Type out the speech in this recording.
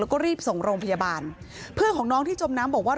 แล้วก็รีบส่งโรงพยาบาลเพื่อนของน้องที่จมน้ำบอกว่า